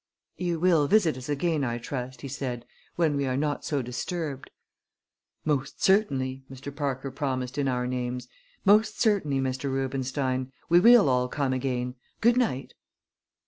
"You will visit us again, I trust," he said, "when we are not so disturbed." "Most certainly!" Mr. Parker promised in our names. "Most certainly, Mr. Rubenstein. We will all come again. Good night!"